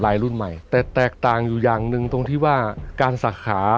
รุ่นใหม่แต่แตกต่างอยู่อย่างหนึ่งตรงที่ว่าการสักขา